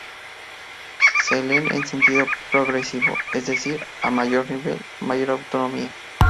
Se leen en sentido progresivo, es decir, a mayor nivel, mayor autonomía.